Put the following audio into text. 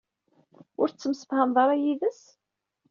Ur tettemsefhameḍ ara yid-s?